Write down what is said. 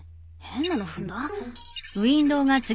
変なの踏んだ？